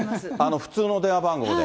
普通の電話番号で。